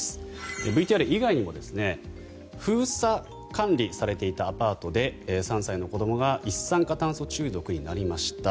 ＶＴＲ以外にも封鎖管理されていたアパートで３歳の子どもが一酸化炭素中毒になりました。